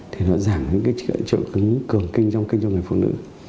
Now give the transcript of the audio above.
thì nó giảm những cái trợ cứng cường kinh rong kinh trong người phụ nữ